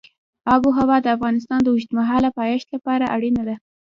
آب وهوا د افغانستان د اوږدمهاله پایښت لپاره اړینه ده.